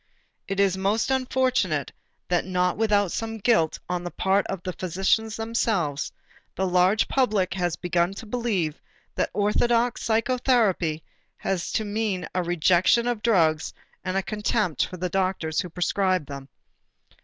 It is most unfortunate that not without some guilt on the part of the physicians themselves, the large public has begun to believe that orthodox psychotherapy has to mean a rejection of drugs and a contempt for the doctors who prescribe them.